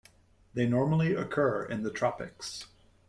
They normally occur in the tropics.